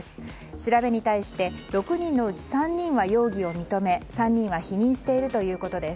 調べに対して、６人のうち３人は容疑を認め３人は否認しているということです。